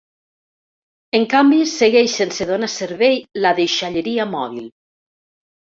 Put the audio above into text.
En canvi segueix sense donar servei la deixalleria mòbil.